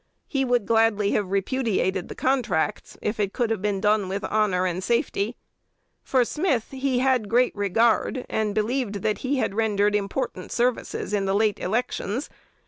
He would gladly have repudiated the contracts, if it could have been done with honor and safety. For Smith he had great regard, and believed that he had rendered important services in the late elections.